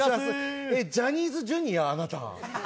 ジャニーズＪｒ．あなた？